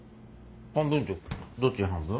半分ってどっちに半分？